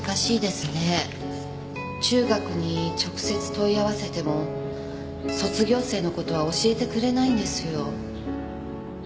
中学に直接問い合わせても卒業生の事は教えてくれないんですよ。